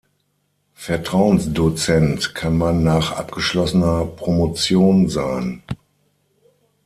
Vertrauensdozent kann man nach abgeschlossener Promotion sein.